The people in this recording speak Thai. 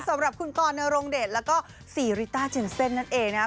สำหรับคุณกอลนารงเดทแล้วก็สรีริตาเจ็นเซนนั้นเองนะคะ